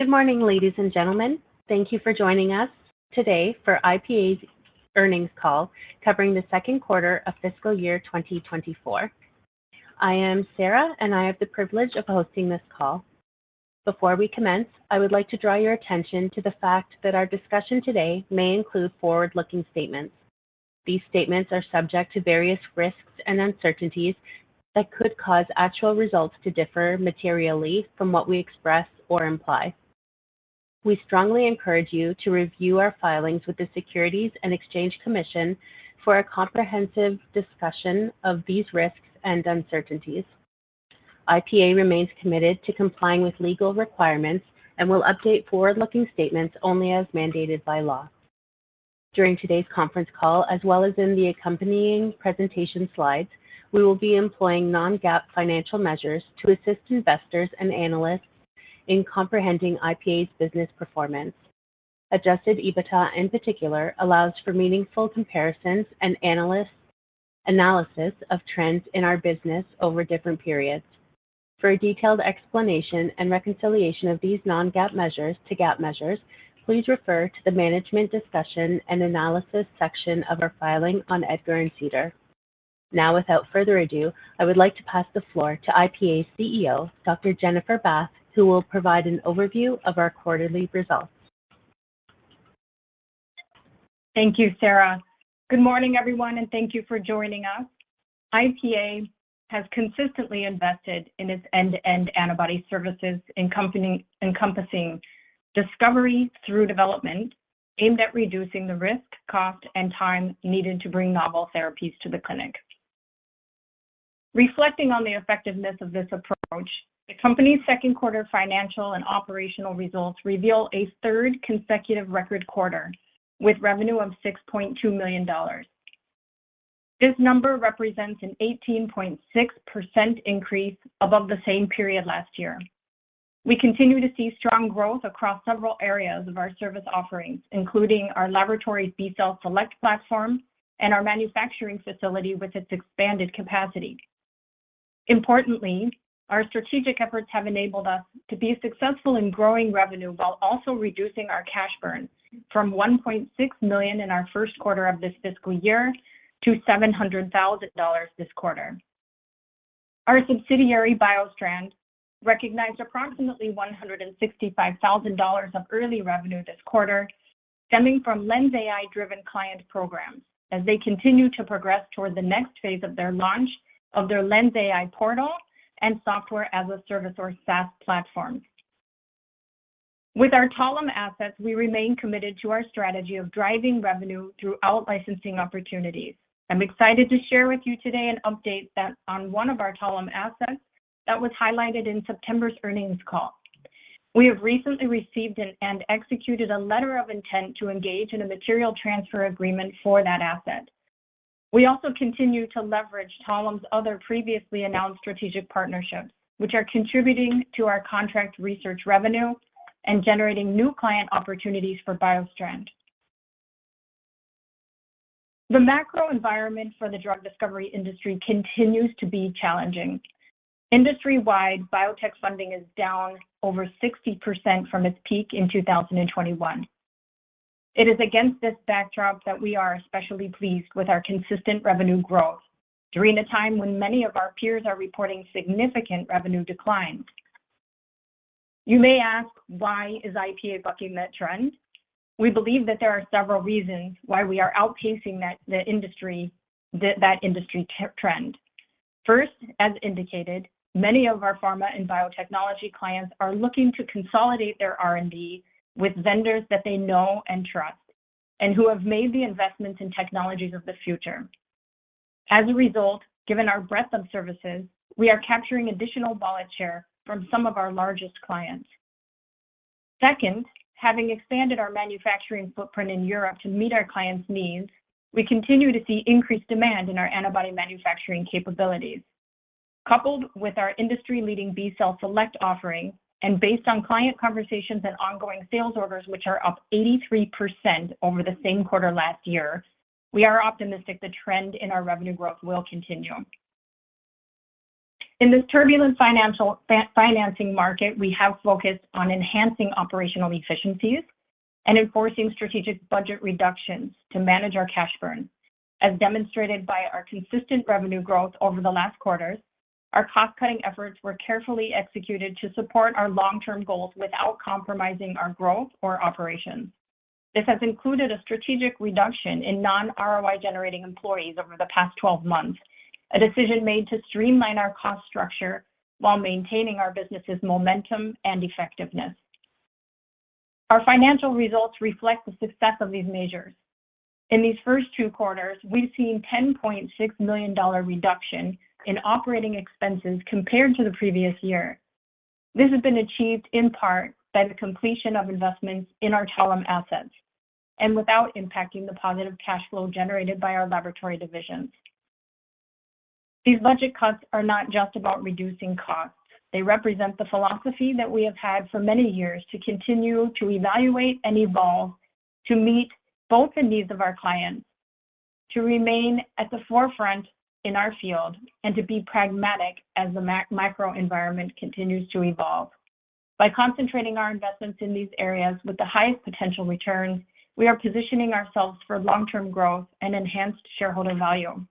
Good morning, ladies and gentlemen. Thank you for joining us today for IPA's Earnings Call Covering the Second Quarter of Fiscal Year 2024. I am Sarah, and I have the privilege of hosting this call. Before we commence, I would like to draw your attention to the fact that our discussion today may include forward-looking statements. These statements are subject to various risks and uncertainties that could cause actual results to differ materially from what we express or imply. We strongly encourage you to review our filings with the Securities and Exchange Commission for a comprehensive discussion of these risks and uncertainties. IPA remains committed to complying with legal requirements and will update forward-looking statements only as mandated by law. During today's conference call, as well as in the accompanying presentation slides, we will be employing non-GAAP financial measures to assist investors and analysts in comprehending IPA's business performance. Adjusted EBITDA, in particular, allows for meaningful comparisons and analysis of trends in our business over different periods. For a detailed explanation and reconciliation of these non-GAAP measures to GAAP measures, please refer to the Management Discussion and Analysis section of our filing on EDGAR and SEDAR. Now, without further ado, I would like to pass the floor to IPA's CEO, Dr. Jennifer Bath, who will provide an overview of our quarterly results. Thank you, Sarah. Good morning, everyone, and thank you for joining us. IPA has consistently invested in its end-to-end antibody services encompassing discovery through development, aimed at reducing the risk, cost, and time needed to bring novel therapies to the clinic. Reflecting on the effectiveness of this approach, the company's second quarter financial and operational results reveal a third consecutive record quarter, with revenue of $6.2 million. This number represents an 18.6% increase above the same period last year. We continue to see strong growth across several areas of our service offerings, including our laboratory's B Cell Select platform and our manufacturing facility with its expanded capacity. Importantly, our strategic efforts have enabled us to be successful in growing revenue while also reducing our cash burn from $1.6 million in our first quarter of this fiscal year to $700,000 this quarter. Our subsidiary, BioStrand, recognized approximately $165,000 of early revenue this quarter, stemming from LENSai-driven client programs, as they continue to progress toward the next phase of their launch of their LENSai portal and software as a service or SaaS platform. With our Talem assets, we remain committed to our strategy of driving revenue through out-licensing opportunities. I'm excited to share with you today an update that on one of our Talem assets that was highlighted in September's earnings call. We have recently received and executed a letter of intent to engage in a material transfer agreement for that asset. We also continue to leverage Talem's other previously announced strategic partnerships, which are contributing to our contract research revenue and generating new client opportunities for BioStrand. The macro environment for the drug discovery industry continues to be challenging. Industry-wide, biotech funding is down over 60% from its peak in 2021. It is against this backdrop that we are especially pleased with our consistent revenue growth during a time when many of our peers are reporting significant revenue declines. You may ask, "Why is IPA bucking that trend?" We believe that there are several reasons why we are outpacing the industry trend. First, as indicated, many of our pharma and biotechnology clients are looking to consolidate their R&D with vendors that they know and trust, and who have made the investments in technologies of the future. As a result, given our breadth of services, we are capturing additional wallet share from some of our largest clients. Second, having expanded our manufacturing footprint in Europe to meet our clients' needs, we continue to see increased demand in our antibody manufacturing capabilities. Coupled with our industry-leading B Cell Select offering and based on client conversations and ongoing sales orders, which are up 83% over the same quarter last year, we are optimistic the trend in our revenue growth will continue. In this turbulent financing market, we have focused on enhancing operational efficiencies and enforcing strategic budget reductions to manage our cash burn. As demonstrated by our consistent revenue growth over the last quarters, our cost-cutting efforts were carefully executed to support our long-term goals without compromising our growth or operations. This has included a strategic reduction in non-ROI-generating employees over the past 12 months, a decision made to streamline our cost structure while maintaining our business's momentum and effectiveness. Our financial results reflect the success of these measures. In these first two quarters, we've seen a $10.6 million reduction in operating expenses compared to the previous year. This has been achieved in part by the completion of investments in our Talem assets and without impacting the positive cash flow generated by our laboratory divisions. These budget cuts are not just about reducing costs. They represent the philosophy that we have had for many years to continue to evaluate and evolve to meet both the needs of our clients to remain at the forefront in our field and to be pragmatic as the market microenvironment continues to evolve. By concentrating our investments in these areas with the highest potential returns, we are positioning ourselves for long-term growth and enhanced shareholder value.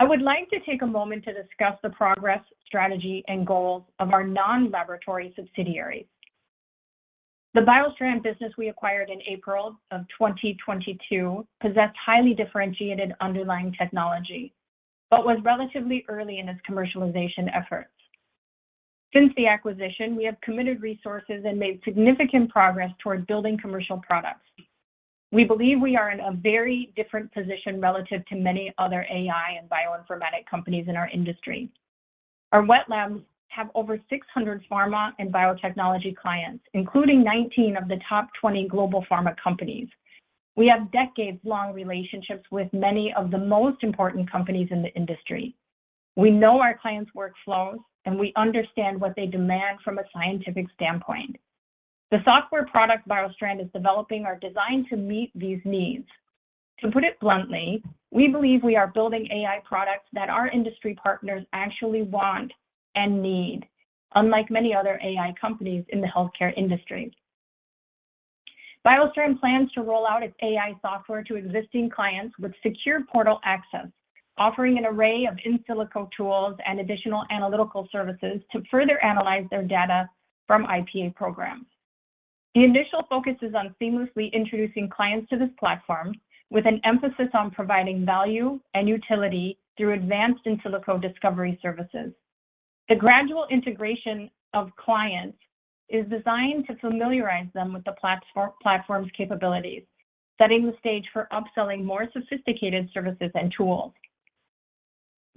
I would like to take a moment to discuss the progress, strategy, and goals of our non-laboratory subsidiaries. The BioStrand business we acquired in April 2022 possessed highly differentiated underlying technology, but was relatively early in its commercialization efforts. Since the acquisition, we have committed resources and made significant progress toward building commercial products. We believe we are in a very different position relative to many other AI and bioinformatic companies in our industry. Our wet labs have over 600 pharma and biotechnology clients, including 19 of the top 20 global pharma companies. We have decades-long relationships with many of the most important companies in the industry. We know our clients' workflows, and we understand what they demand from a scientific standpoint. The software product BioStrand is developing are designed to meet these needs. To put it bluntly, we believe we are building AI products that our industry partners actually want and need, unlike many other AI companies in the healthcare industry. BioStrand plans to roll out its AI software to existing clients with secure portal access, offering an array of in silico tools and additional analytical services to further analyze their data from IPA programs. The initial focus is on seamlessly introducing clients to this platform, with an emphasis on providing value and utility through advanced in silico discovery services. The gradual integration of clients is designed to familiarize them with the platform, platform's capabilities, setting the stage for upselling more sophisticated services and tools.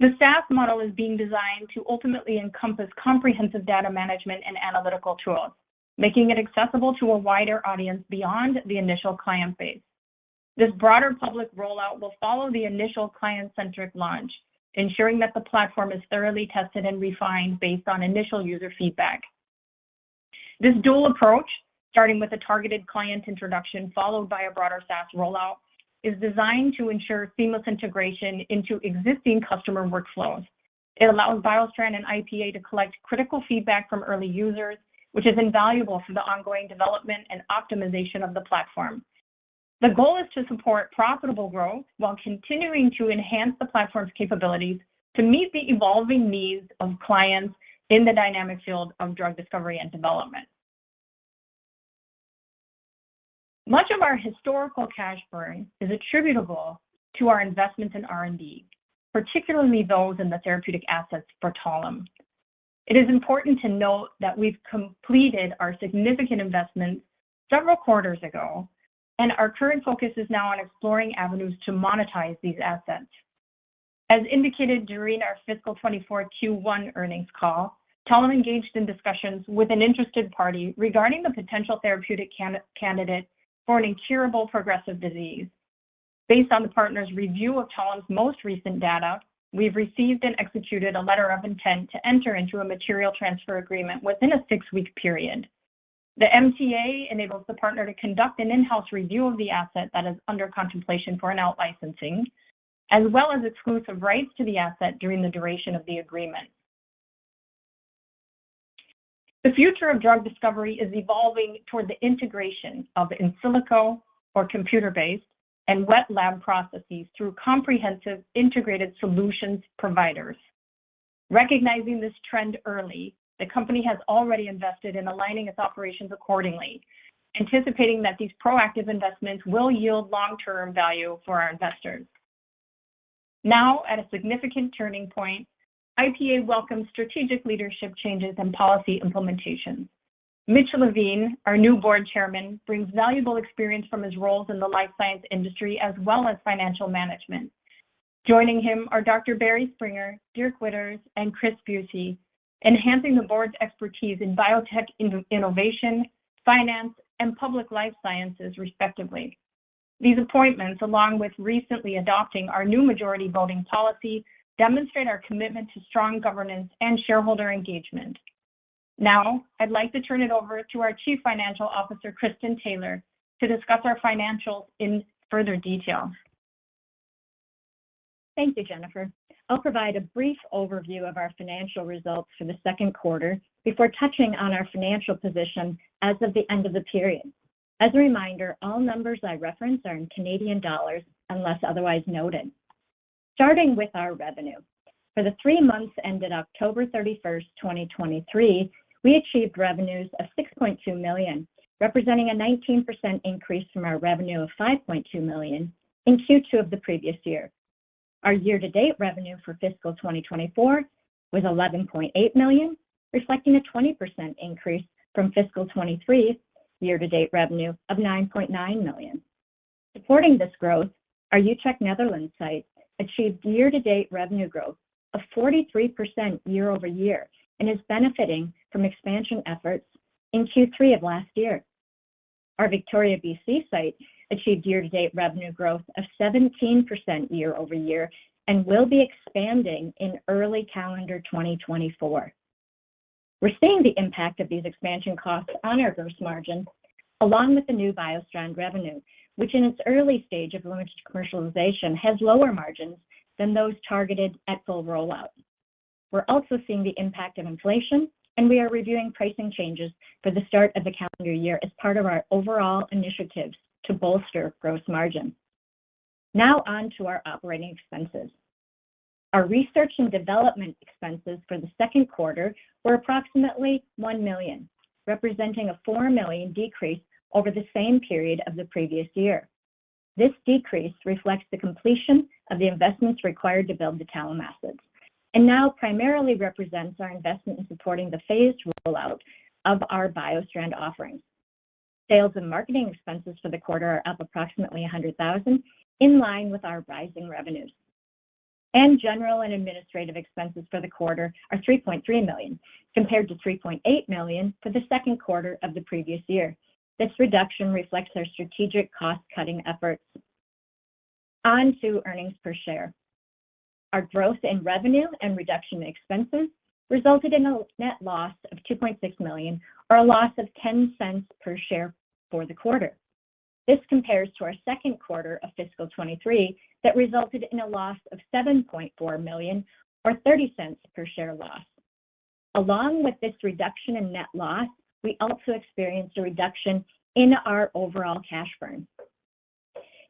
The SaaS model is being designed to ultimately encompass comprehensive data management and analytical tools, making it accessible to a wider audience beyond the initial client base. This broader public rollout will follow the initial client-centric launch, ensuring that the platform is thoroughly tested and refined based on initial user feedback. This dual approach, starting with a targeted client introduction, followed by a broader SaaS rollout, is designed to ensure seamless integration into existing customer workflows. It allows BioStrand and IPA to collect critical feedback from early users, which is invaluable for the ongoing development and optimization of the platform. The goal is to support profitable growth while continuing to enhance the platform's capabilities to meet the evolving needs of clients in the dynamic field of drug discovery and development. Much of our historical cash burn is attributable to our investments in R&D, particularly those in the therapeutic assets for Talem. It is important to note that we've completed our significant investments several quarters ago, and our current focus is now on exploring avenues to monetize these assets. As indicated during our fiscal 2024 Q1 earnings call, Talem engaged in discussions with an interested party regarding the potential therapeutic candidate for an incurable progressive disease. Based on the partner's review of Talem's most recent data, we've received and executed a letter of intent to enter into a material transfer agreement within a 6-week period. The MTA enables the partner to conduct an in-house review of the asset that is under contemplation for an out-licensing, as well as exclusive rights to the asset during the duration of the agreement. The future of drug discovery is evolving toward the integration of in silico or computer-based and wet lab processes through comprehensive integrated solutions providers. Recognizing this trend early, the company has already invested in aligning its operations accordingly, anticipating that these proactive investments will yield long-term value for our investors. Now, at a significant turning point, IPA welcomes strategic leadership changes and policy implementations. Mitch Levine, our new board chairman, brings valuable experience from his roles in the life science industry, as well as financial management. Joining him are Dr. Barry Springer, Dirk Witters, and Chris Buyse, enhancing the board's expertise in biotech innovation, finance, and public life sciences, respectively. These appointments, along with recently adopting our new majority voting policy, demonstrate our commitment to strong governance and shareholder engagement. Now, I'd like to turn it over to our Chief Financial Officer, Kristin Taylor, to discuss our financials in further detail. Thank you, Jennifer. I'll provide a brief overview of our financial results for the second quarter before touching on our financial position as of the end of the period. As a reminder, all numbers I reference are in Canadian dollars, unless otherwise noted. Starting with our revenue. For the three months ended October 31, 2023, we achieved revenues of 6.2 million, representing a 19% increase from our revenue of 5.2 million in Q2 of the previous year. Our year-to-date revenue for fiscal 2024 was 11.8 million, reflecting a 20% increase from fiscal 2023 year-to-date revenue of 9.9 million. Supporting this growth, our Utrecht, Netherlands site achieved year-to-date revenue growth of 43% year-over-year and is benefiting from expansion efforts in Q3 of last year. Our Victoria, BC site achieved year-to-date revenue growth of 17% year-over-year and will be expanding in early calendar 2024. We're seeing the impact of these expansion costs on our gross margin, along with the new BioStrand revenue, which in its early stage of launched commercialization, has lower margins than those targeted at full rollout. We're also seeing the impact of inflation, and we are reviewing pricing changes for the start of the calendar year as part of our overall initiatives to bolster gross margin. Now on to our operating expenses. Our research and development expenses for the second quarter were approximately 1 million, representing a 4 million decrease over the same period of the previous year. This decrease reflects the completion of the investments required to build the Talem assets, and now primarily represents our investment in supporting the phased rollout of our BioStrand offerings. Sales and marketing expenses for the quarter are up approximately 100,000, in line with our rising revenues. General and administrative expenses for the quarter are 3.3 million, compared to 3.8 million for the second quarter of the previous year. This reduction reflects our strategic cost-cutting efforts. On to earnings per share. Our growth in revenue and reduction in expenses resulted in a net loss of 2.6 million, or a loss of 0.10 per share for the quarter. This compares to our second quarter of fiscal 2023, that resulted in a loss of 7.4 million, or 0.30 per share loss. Along with this reduction in net loss, we also experienced a reduction in our overall cash burn.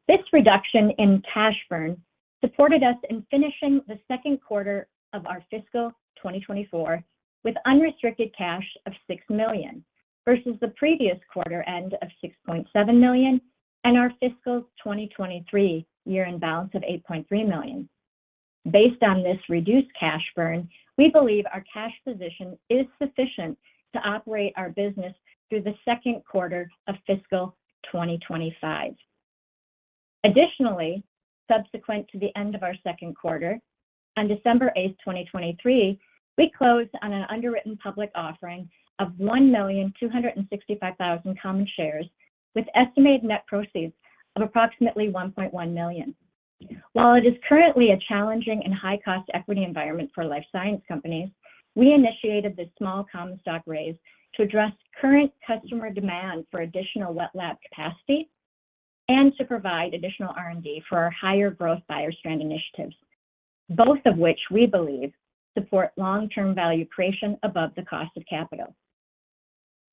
This reduction in cash burn supported us in finishing the second quarter of our fiscal 2024 with unrestricted cash of 6 million, versus the previous quarter end of 6.7 million and our fiscal 2023 year-end balance of 8.3 million. Based on this reduced cash burn, we believe our cash position is sufficient to operate our business through the second quarter of fiscal 2025. Additionally, subsequent to the end of our second quarter, on December 8, 2023, we closed on an underwritten public offering of 1,265,000 common shares, with estimated net proceeds of approximately 1.1 million. While it is currently a challenging and high-cost equity environment for life science companies, we initiated this small common stock raise to address current customer demand for additional wet lab capacity and to provide additional R&D for our higher growth BioStrand initiatives, both of which we believe support long-term value creation above the cost of capital.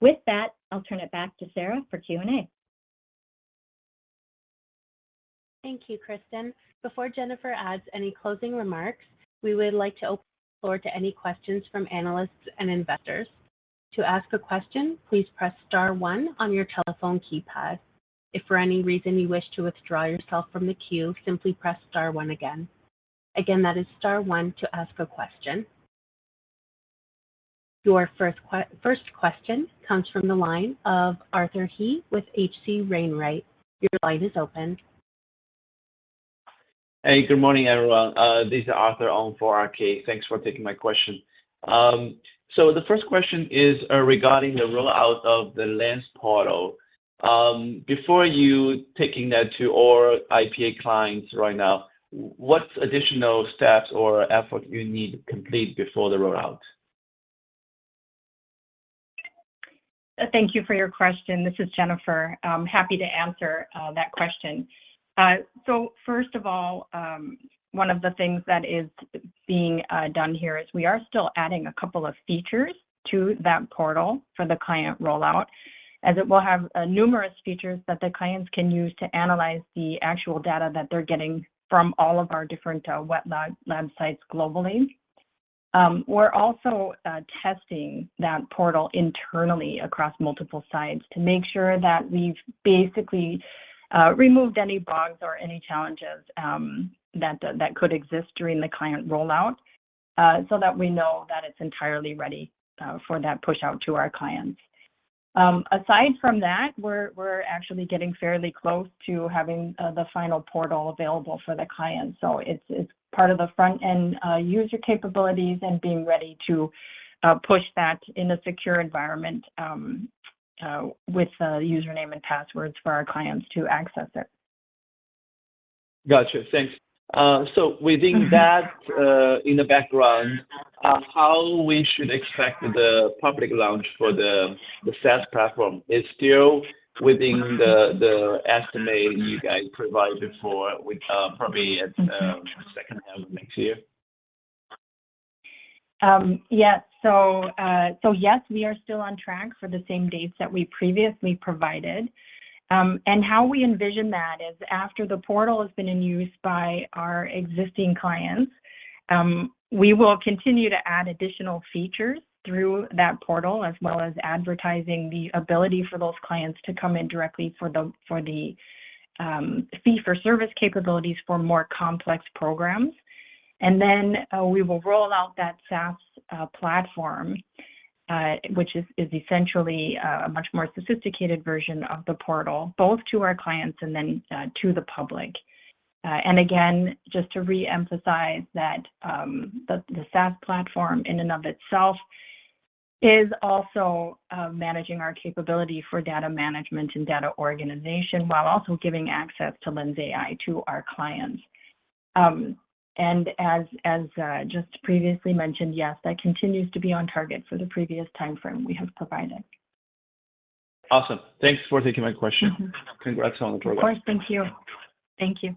With that, I'll turn it back to Sarah for Q&A. Thank you, Kristin. Before Jennifer adds any closing remarks, we would like to open the floor to any questions from analysts and investors. To ask a question, please press star one on your telephone keypad. If for any reason you wish to withdraw yourself from the queue, simply press star one again. Again, that is star one to ask a question. Your first question comes from the line of Arthur He with H.C. Wainwright. Your line is open. Hey, good morning, everyone. This is Arthur on for R.K. Thanks for taking my question. So the first question is, regarding the rollout of the LENS portal. Before you taking that to all IPA clients right now, what additional steps or effort you need to complete before the rollout? Thank you for your question. This is Jennifer. I'm happy to answer that question. So first of all, one of the things that is being done here is we are still adding a couple of features to that portal for the client rollout, as it will have numerous features that the clients can use to analyze the actual data that they're getting from all of our different wet lab sites globally. We're also testing that portal internally across multiple sites to make sure that we've basically removed any bugs or any challenges that could exist during the client rollout, so that we know that it's entirely ready for that push out to our clients. Aside from that, we're actually getting fairly close to having the final portal available for the clients. So it's part of the front-end user capabilities and being ready to push that in a secure environment with the username and passwords for our clients to access it. Gotcha. Thanks. So within that, in the background, how we should expect the public launch for the, the SaaS platform? It's still within the, the estimate you guys provided for, which, probably it's, second half of next year? Yes. So yes, we are still on track for the same dates that we previously provided. And how we envision that is after the portal has been in use by our existing clients, we will continue to add additional features through that portal, as well as advertising the ability for those clients to come in directly for the fee-for-service capabilities for more complex programs. And then, we will roll out that SaaS platform, which is essentially a much more sophisticated version of the portal, both to our clients and then to the public. And again, just to reemphasize that, the SaaS platform in and of itself is also managing our capability for data management and data organization, while also giving access to LENSai to our clients.... As just previously mentioned, yes, that continues to be on target for the previous time frame we have provided. Awesome. Thanks for taking my question. Mm-hmm. Congrats on the progress. Of course. Thank you. Thank you.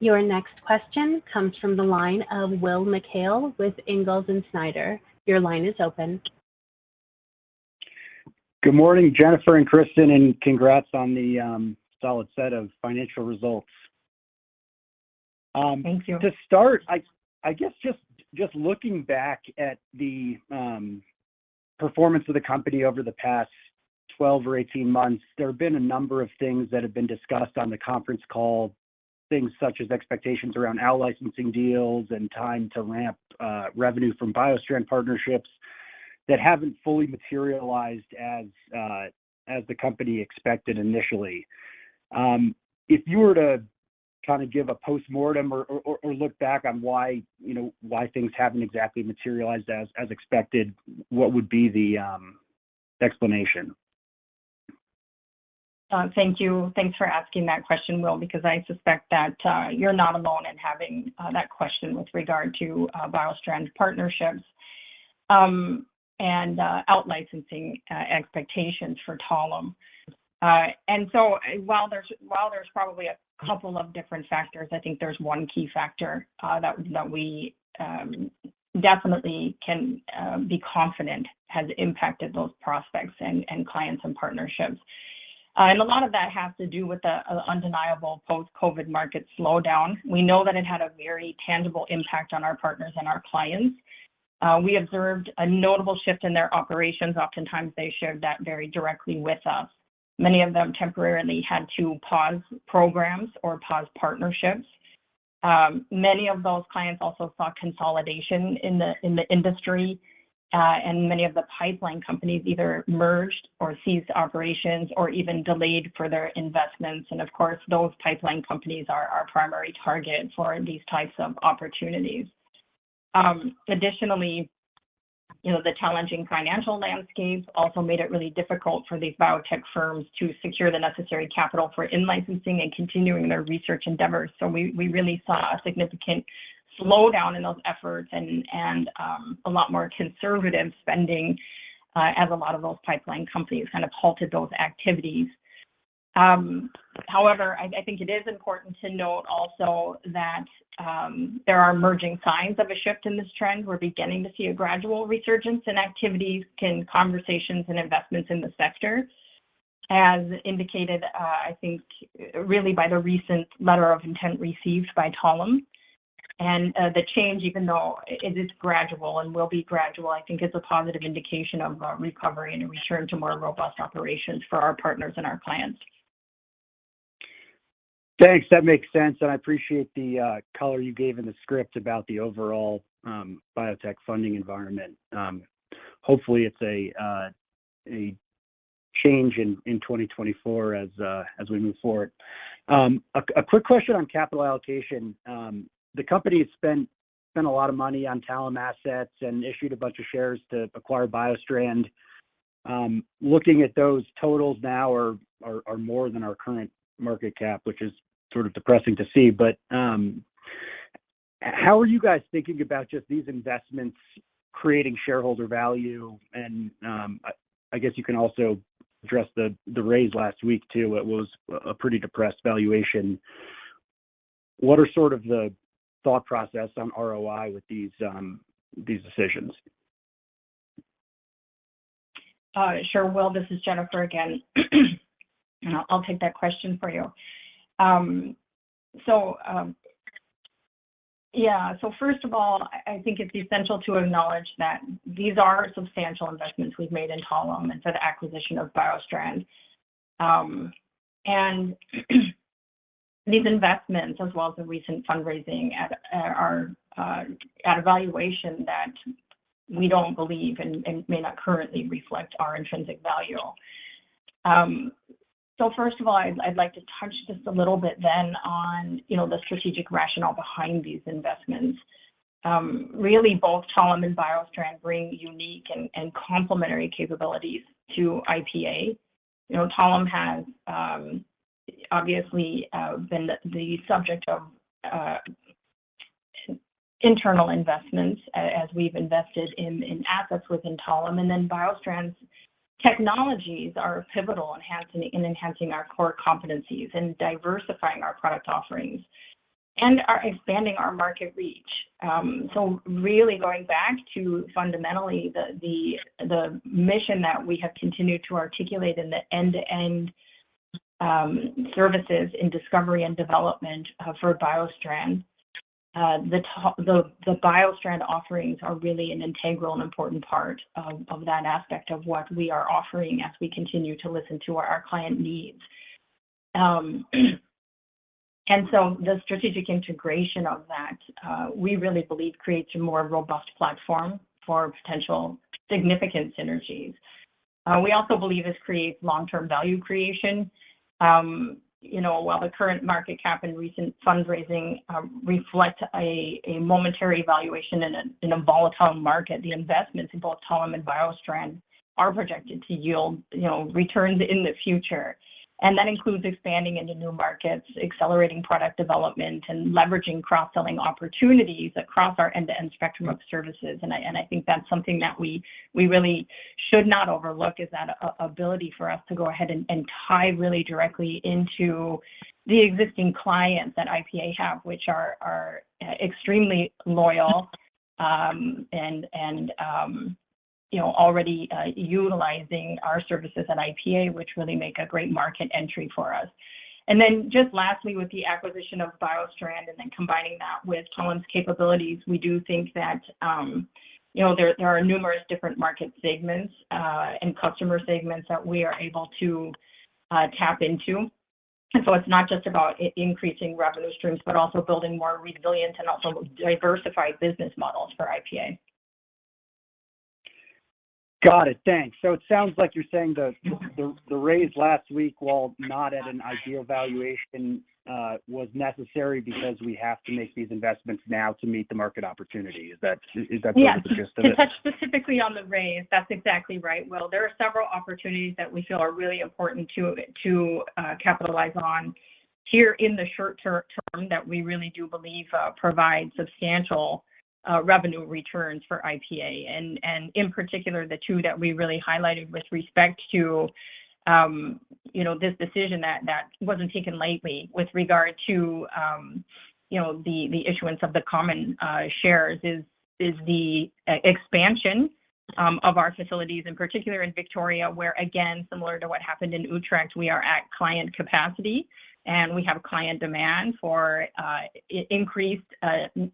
Your next question comes from the line of Will McHale with Ingalls & Snyder. Your line is open. Good morning, Jennifer and Kristin, and congrats on the solid set of financial results. Thank you. To start, I guess just looking back at the performance of the company over the past 12 or 18 months, there have been a number of things that have been discussed on the conference call, things such as expectations around out-licensing deals and time to ramp revenue from BioStrand partnerships, that haven't fully materialized as, as the company expected initially. If you were to kinda give a postmortem or look back on why, you know, why things haven't exactly materialized as, as expected, what would be the explanation? Thank you. Thanks for asking that question, Will, because I suspect that you're not alone in having that question with regard to BioStrand partnerships, and out-licensing expectations for Talem. And so while there's probably a couple of different factors, I think there's one key factor that we definitely can be confident has impacted those prospects and clients and partnerships. And a lot of that has to do with the undeniable post-COVID market slowdown. We know that it had a very tangible impact on our partners and our clients. We observed a notable shift in their operations. Oftentimes, they shared that very directly with us. Many of them temporarily had to pause programs or pause partnerships. Many of those clients also saw consolidation in the industry, and many of the pipeline companies either merged or ceased operations, or even delayed further investments. And of course, those pipeline companies are our primary target for these types of opportunities. Additionally, you know, the challenging financial landscape also made it really difficult for these biotech firms to secure the necessary capital for in-licensing and continuing their research endeavors. So we really saw a significant slowdown in those efforts and a lot more conservative spending, as a lot of those pipeline companies kind of halted those activities. However, I think it is important to note also that there are emerging signs of a shift in this trend. We're beginning to see a gradual resurgence in activities, in conversations and investments in the sector, as indicated, I think, really by the recent letter of intent received by Talem. The change, even though it is gradual and will be gradual, I think is a positive indication of a recovery and a return to more robust operations for our partners and our clients. Thanks, that makes sense, and I appreciate the color you gave in the script about the overall biotech funding environment. Hopefully, it's a change in 2024 as we move forward. A quick question on capital allocation. The company has spent a lot of money on Talem assets and issued a bunch of shares to acquire BioStrand. Looking at those totals now are more than our current market cap, which is sort of depressing to see, but how are you guys thinking about just these investments creating shareholder value? I guess you can also address the raise last week, too. It was a pretty depressed valuation. What are sort of the thought process on ROI with these decisions? Sure, Will, this is Jennifer again, and I'll take that question for you. So first of all, I think it's essential to acknowledge that these are substantial investments we've made in Talem and for the acquisition of BioStrand. And these investments, as well as the recent fundraising, are at a valuation that we don't believe and may not currently reflect our intrinsic value. So first of all, I'd like to touch just a little bit then on, you know, the strategic rationale behind these investments. Really, both Talem and BioStrand bring unique and complementary capabilities to IPA. You know, Talem has obviously been the subject of internal investments, as we've invested in assets within Talem, and then BioStrand's technologies are pivotal in enhancing our core competencies and diversifying our product offerings, and are expanding our market reach. So really going back to fundamentally the mission that we have continued to articulate in the end-to-end services in discovery and development for BioStrand, the BioStrand offerings are really an integral and important part of that aspect of what we are offering as we continue to listen to our client needs. And so the strategic integration of that, we really believe creates a more robust platform for potential significant synergies. We also believe this creates long-term value creation. You know, while the current market cap and recent fundraising reflect a momentary valuation in a volatile market, the investments in both Talem and BioStrand are projected to yield, you know, returns in the future. And that includes expanding into new markets, accelerating product development, and leveraging cross-selling opportunities across our end-to-end spectrum of services. And I think that's something that we really should not overlook, is that ability for us to go ahead and tie really directly into the existing clients that IPA have, which are extremely loyal, and you know, already utilizing our services at IPA, which really make a great market entry for us. And then just lastly, with the acquisition of BioStrand and then combining that with Talem's capabilities, we do think that, you know, there, there are numerous different market segments, and customer segments that we are able to, tap into. And so it's not just about increasing revenue streams, but also building more resilient and also diversified business models for IPA. Got it. Thanks. So it sounds like you're saying the raise last week, while not at an ideal valuation, was necessary because we have to make these investments now to meet the market opportunity. Is that the gist of it? Yes. To touch specifically on the raise, that's exactly right, Will. There are several opportunities that we feel are really important to capitalize on here in the short term that we really do believe provide substantial revenue returns for IPA. And in particular, the two that we really highlighted with respect to you know, this decision that wasn't taken lightly with regard to you know, the issuance of the common shares is the expansion of our facilities, in particular in Victoria, where again, similar to what happened in Utrecht, we are at client capacity, and we have client demand for increased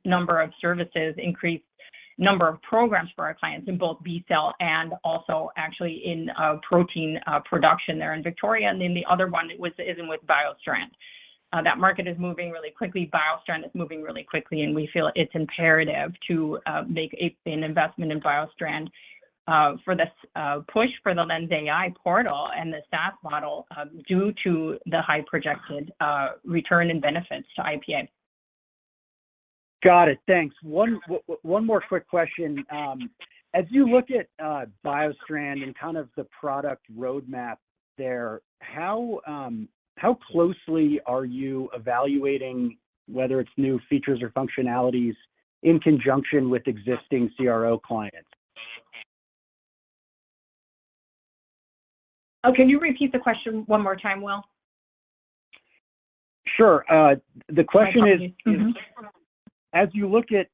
number of services, increased number of programs for our clients in both B cell and also actually in protein production there in Victoria. And then the other one was, is in with BioStrand. That market is moving really quickly. BioStrand is moving really quickly, and we feel it's imperative to make a, an investment in BioStrand for this push for the LENSai portal and the SaaS model due to the high projected return and benefits to IPA. Got it. Thanks. One more quick question. As you look at BioStrand and kind of the product roadmap there, how closely are you evaluating whether it's new features or functionalities in conjunction with existing CRO clients? Oh, can you repeat the question one more time, Will? Sure. The question is- Mm-hmm. As you look at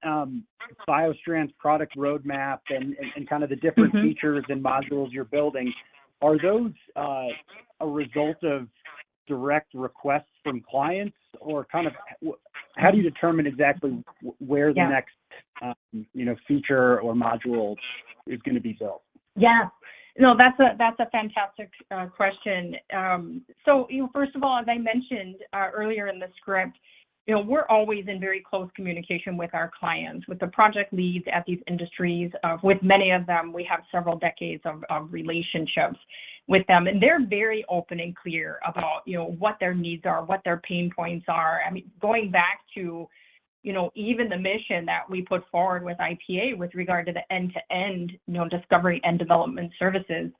BioStrand's product roadmap and kind of the different- Mm-hmm.... features and modules you're building, are those a result of direct requests from clients, or kind of how do you determine exactly where the next- Yeah.... you know, feature or module is gonna be built? Yeah. No, that's a fantastic question. So, you know, first of all, as I mentioned earlier in the script, you know, we're always in very close communication with our clients, with the project leads at these industries. With many of them, we have several decades of relationships with them, and they're very open and clear about, you know, what their needs are, what their pain points are. I mean, going back to, you know, even the mission that we put forward with IPA with regard to the end-to-end, you know, discovery and development services,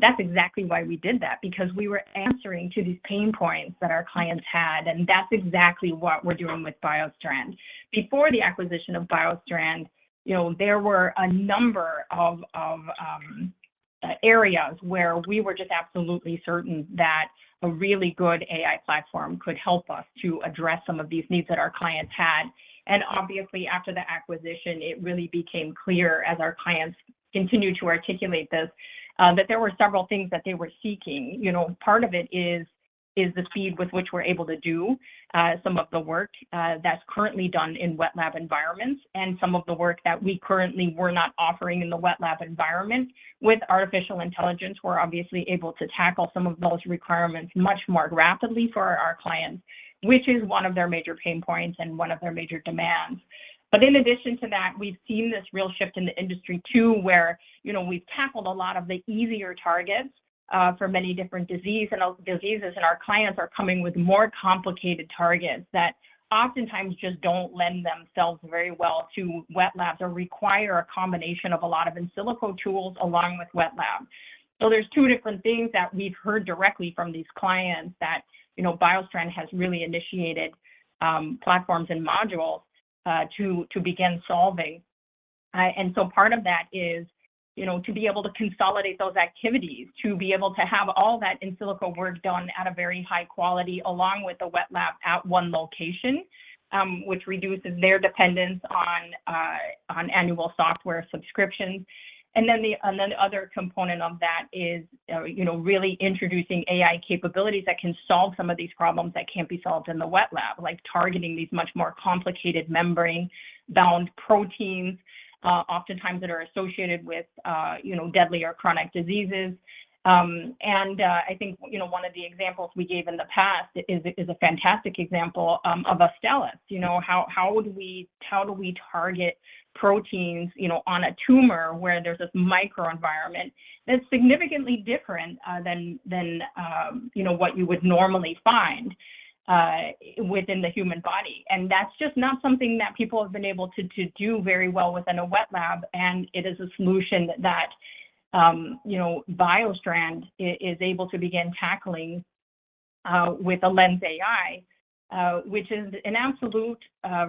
that's exactly why we did that, because we were answering to these pain points that our clients had, and that's exactly what we're doing with BioStrand. Before the acquisition of BioStrand, you know, there were a number of of areas where we were just absolutely certain that a really good AI platform could help us to address some of these needs that our clients had. Obviously, after the acquisition, it really became clear, as our clients continued to articulate this, that there were several things that they were seeking. You know, part of it is the speed with which we're able to do some of the work that's currently done in wet lab environments and some of the work that we currently were not offering in the wet lab environment. With artificial intelligence, we're obviously able to tackle some of those requirements much more rapidly for our clients, which is one of their major pain points and one of their major demands. But in addition to that, we've seen this real shift in the industry, too, where, you know, we've tackled a lot of the easier targets for many different diseases and illnesses, and our clients are coming with more complicated targets that oftentimes just don't lend themselves very well to wet labs or require a combination of a lot of in silico tools along with wet lab. So there's two different things that we've heard directly from these clients that, you know, BioStrand has really initiated platforms and modules to begin solving. And so part of that is, you know, to be able to consolidate those activities, to be able to have all that in silico work done at a very high quality, along with the wet lab at one location, which reduces their dependence on annual software subscriptions. The other component of that is, you know, really introducing AI capabilities that can solve some of these problems that can't be solved in the wet lab, like targeting these much more complicated membrane-bound proteins, oftentimes that are associated with, you know, deadly or chronic diseases. I think, you know, one of the examples we gave in the past is a fantastic example of Astellas. You know, how do we target proteins, you know, on a tumor where there's this microenvironment that's significantly different than what you would normally find within the human body? That's just not something that people have been able to, to do very well within a wet lab, and it is a solution that, you know, BioStrand is able to begin tackling, with a LENSai, which is an absolute,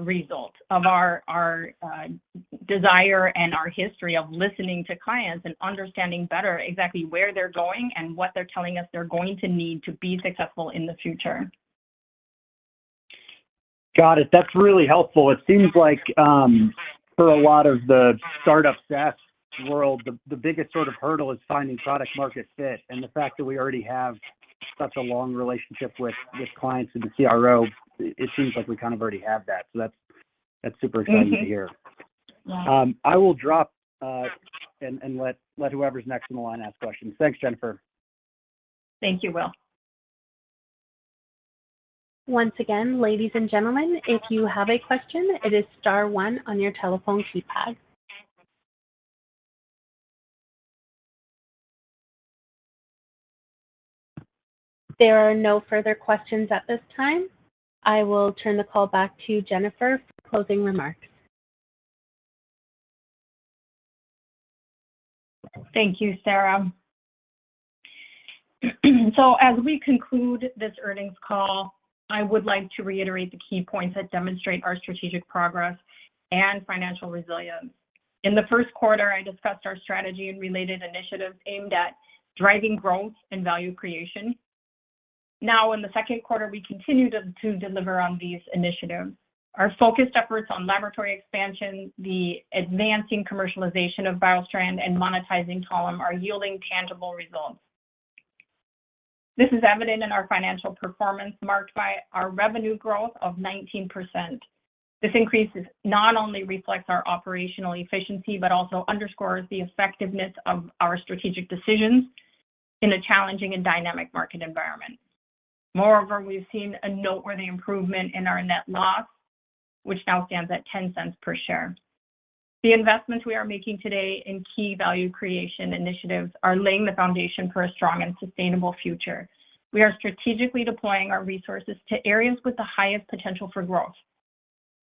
result of our, our, desire and our history of listening to clients and understanding better exactly where they're going and what they're telling us they're going to need to be successful in the future. Got it. That's really helpful. It seems like for a lot of the startup SaaS world, the biggest sort of hurdle is finding product market fit, and the fact that we already have such a long relationship with clients in the CRO, it seems like we kind of already have that. So that's super exciting to hear. Mm-hmm. Yeah. I will drop and let whoever's next in the line ask questions. Thanks, Jennifer. Thank you, Will. Once again, ladies and gentlemen, if you have a question, it is star one on your telephone keypad. There are no further questions at this time. I will turn the call back to Jennifer for closing remarks. Thank you, Sarah. As we conclude this earnings call, I would like to reiterate the key points that demonstrate our strategic progress and financial resilience. In the first quarter, I discussed our strategy and related initiatives aimed at driving growth and value creation. Now, in the second quarter, we continue to deliver on these initiatives. Our focused efforts on laboratory expansion, the advancing commercialization of BioStrand, and monetizing Talem are yielding tangible results. This is evident in our financial performance, marked by our revenue growth of 19%. This increase is not only reflects our operational efficiency, but also underscores the effectiveness of our strategic decisions in a challenging and dynamic market environment. Moreover, we've seen a noteworthy improvement in our net loss, which now stands at 0.10 per share. The investments we are making today in key value creation initiatives are laying the foundation for a strong and sustainable future. We are strategically deploying our resources to areas with the highest potential for growth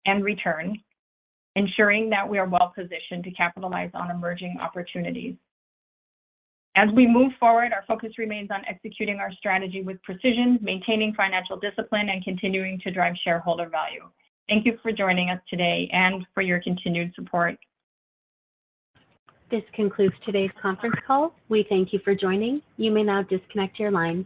and return, ensuring that we are well-positioned to capitalize on emerging opportunities. As we move forward, our focus remains on executing our strategy with precision, maintaining financial discipline, and continuing to drive shareholder value. Thank you for joining us today and for your continued support. This concludes today's conference call. We thank you for joining. You may now disconnect your lines.